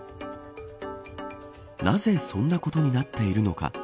なぜそんなことになっているのか。